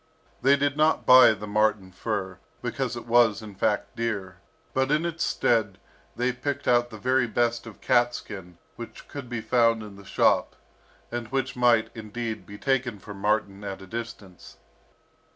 They did not buy the marten fur, because it was, in fact, dear, but in its stead, they picked out the very best of cat skin which could be found in the shop, and which might, indeed, be taken for marten at a distance.